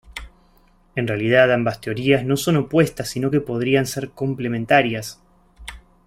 En realidad, ambas teorías no son opuestas sino que podrían ser complementarias.